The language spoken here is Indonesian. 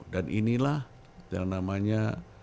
dan inilah yang namanya